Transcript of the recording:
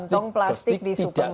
kantong plastik di supermarket